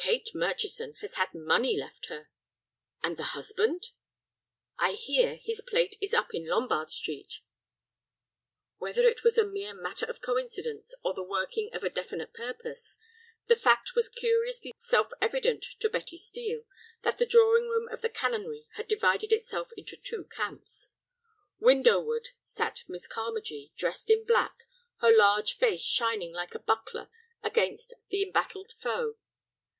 "Kate Murchison has had money left her." "And the husband?" "I hear his plate is up in Lombard Street." Whether it was a mere matter of coincidence or the working of a definite purpose, the fact was curiously self evident to Betty Steel that the drawing room of the Canonry had divided itself into two camps. Window ward sat Miss Carmagee, dressed in black, her large face shining like a buckler against the embattled foe.